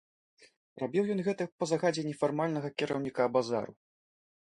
Рабіў ён гэта па загадзе нефармальнага кіраўніка базару.